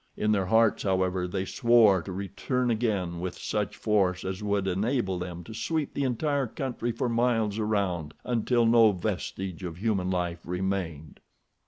In their hearts, however, they swore to return again with such force as would enable them to sweep the entire country for miles around, until no vestige of human life remained.